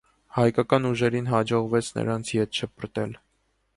Հայկական ուժերին հաջողվեց նրանց ետ շպրտել։